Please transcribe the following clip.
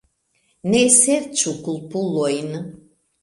Ne serĉu kulpulojn.